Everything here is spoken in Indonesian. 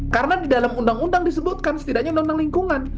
karena di dalam undang undang disebutkan setidaknya undang undang lingkungan